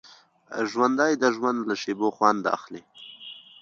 ژوندي د ژوند له شېبو خوند اخلي